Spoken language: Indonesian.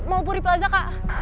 maupun di plaza kak